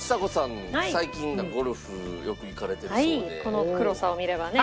この黒さを見ればね。